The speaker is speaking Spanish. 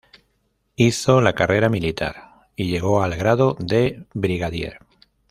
Hizo la carrera militar y llegó al grado de brigadier.